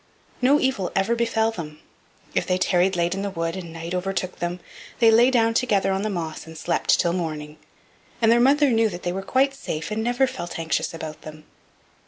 No evil ever befell them; if they tarried late in the wood and night overtook them, they lay down together on the moss and slept till morning, and their mother knew they were quite safe, and never felt anxious about them.